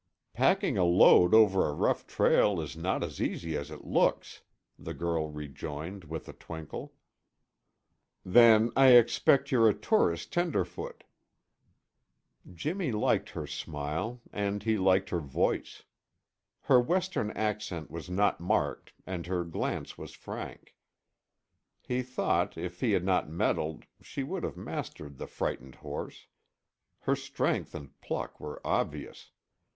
"Packing a load over a rough trail is not as easy as it looks," the girl rejoined with a twinkle. "Then I expect you're a tourist tenderfoot." Jimmy liked her smile and he liked her voice. Her Western accent was not marked and her glance was frank. He thought, if he had not meddled, she would have mastered the frightened horse; her strength and pluck were obvious.